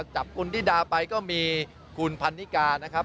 จับคุณนิดาไปก็มีคุณพันนิกานะครับ